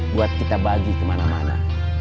buat kita bagi kemana mana